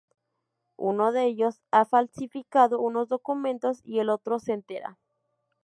Uno de ellos ha falsificado unos documentos y el otro se entera.